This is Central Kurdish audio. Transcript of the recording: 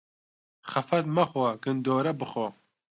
خەفەت مەخۆ، گندۆره بخۆ.